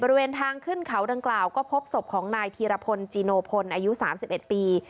บริเวณทางขึ้นเขาดังกล่าวก็พบศพของนายธีรพลจีโนพลอายุ๓๑ปี